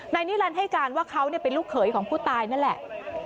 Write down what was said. นิรันดิ์ให้การว่าเขาเป็นลูกเขยของผู้ตายนั่นแหละ